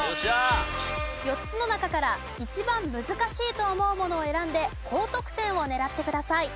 ４つの中から一番難しいと思うものを選んで高得点を狙ってください。